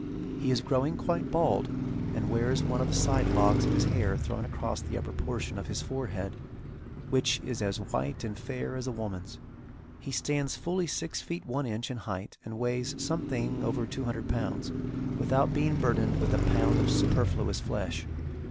He is growing quite bald, and wears one of the side locks of his hair thrown across the upper portion of his forehead, which is as white and fair as a woman's. He stands fully six feet one inch in height, and weighs something over two hundred pounds, without being burdened with a pound of superfluous flesh.